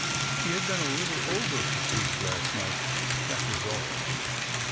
She had been a little over fatigued last night, that was all.